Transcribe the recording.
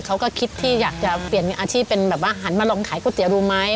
เขาก็คิดที่อยากจะเปลี่ยนอาชีพหันมาลองขายก๋วยเตี๋ยวรู้ไหม